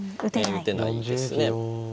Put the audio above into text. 打てないですね。